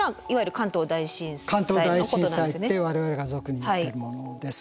関東大震災って我々が俗に言ってるものです。